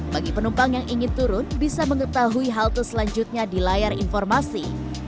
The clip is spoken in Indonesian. bagi penumpang yang ingin turun bisa mengetahui halte selanjutnya di layar informasi